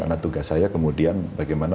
karena tugas saya kemudian bagaimana